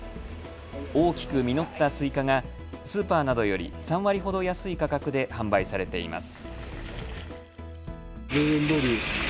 大きく実ったスイカがスーパーなどより３割ほど安い価格で販売されています。